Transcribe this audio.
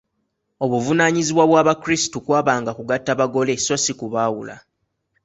Obuvunaanyibwa bw’Abakrisitu kw’abanga kugatta bagole sso si kubaawula.